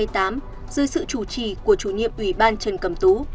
dưới sự chủ trì của chủ nhiệm ủy ban trần cầm tú